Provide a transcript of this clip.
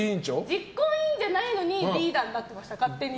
実行委員じゃないのにリーダーになってました、勝手に。